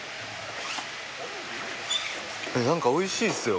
なんかおいしいっすよ